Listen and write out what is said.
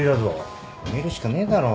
見るしかねえだろ。